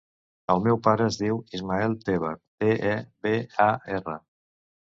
El meu pare es diu Ismael Tebar: te, e, be, a, erra.